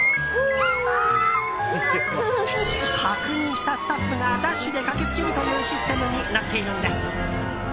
確認したスタッフがダッシュで駆けつけるというシステムになっているんです。